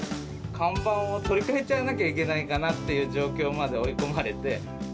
看板を取り替えちゃわなきゃいけないかなっていう状況まで追い込まれて。